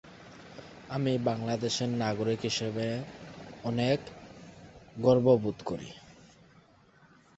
কিন্তু সেই অর্থ সামান্য ছিল।